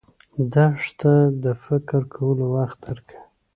دښته د فکر کولو وخت درکوي.